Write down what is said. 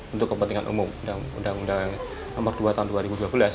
untuk kepentingan umum undang undang nomor dua tahun dua ribu dua belas